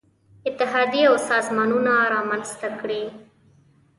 اتحادیې او سازمانونه رامنځته کړي.